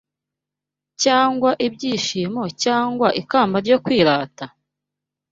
cyangwa ibyishimo, cyangwa ikamba ryo kwirata?